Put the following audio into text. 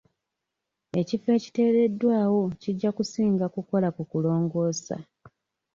Ekifo ekiteereddwawo kijja kusinga kukola kukulongoosa.